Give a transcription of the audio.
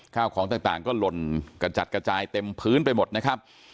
ข้าวของต่างก็หล่นกระจัดกระจายเต็มพื้นไปหมดนะครับ